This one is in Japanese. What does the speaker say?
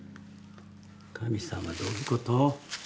神様どういうこと？